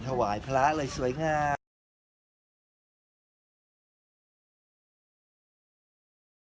ถวายพระเลยสวยงาม